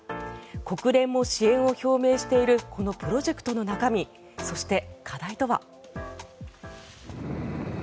国連も支援を表明しているこのプロジェクトの中身そして、課題とは。